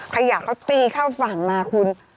ขยะเขาตีเข้าฝั่งมาคุณ